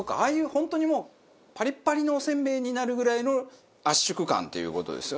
本当にもうパリッパリのおせんべいになるぐらいの圧縮感っていう事ですよね？